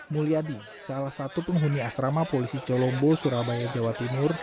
mulyadi salah satu penghuni asrama polisi colombo surabaya jawa timur